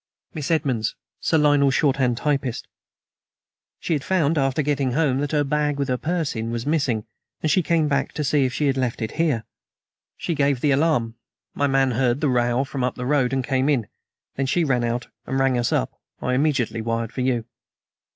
"Miss Edmonds, Sir Lionel's shorthand typist. She had found, after getting home, that her bag, with her purse in, was missing, and she came back to see if she had left it here. She gave the alarm. My man heard the row from the road and came in. Then he ran out and rang us up. I immediately wired for you."